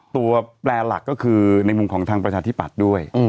ตัวแปลหลักก็คือในมุมของทางประชาที่ปัดด้วย